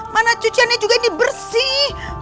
mana cuciannya juga ini bersih